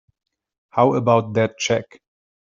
How about that check?